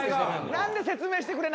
何で説明してくれないんだよ。